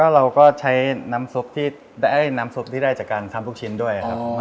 เราก็ใช้น้ำซุปที่ได้จากการทำทุกชิ้นด้วยครับ